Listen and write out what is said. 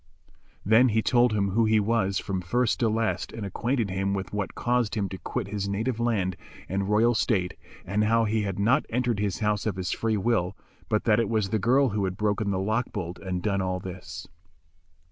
Then he told him who he was from first to last and acquainted him with what caused him to quit his native land and royal state, and how he had not entered his house of his free will, but that it was the girl who had broken the lock bolt and done all this.